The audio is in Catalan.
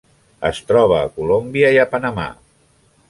Es troba a Colòmbia i a Panamà.